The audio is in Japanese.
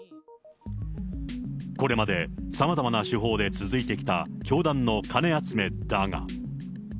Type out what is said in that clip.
これまでさまざまな手法で続いてきた教団の金集めだが。